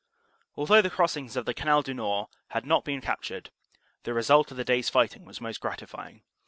"Although the crossings of the Canal du Nord had not been captured, the result of the day s fighting was most gratify ing.